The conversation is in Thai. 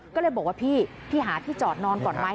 ก็เลยบอกว่าพี่พี่หาที่จอดนอนก่อนไหม